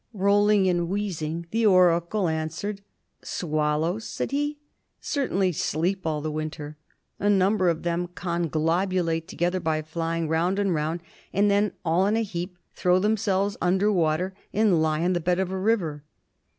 Rolling and wheezing, the oracle answered: "Swallows," said he, "certainly sleep all the winter. A number of them conglobulate together by flying round and round, and then all in a heap throw themselves under water and lie in the bed of a river."